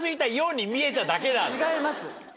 違います。